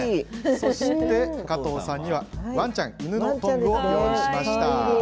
そして加藤さんにはワンちゃん犬のトングを用意しました。